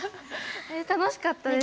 楽しかったです。